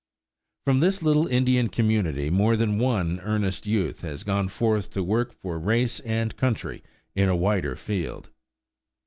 From this little Indian community more than one earnest youth has gone forth to work for race and country in a wider field.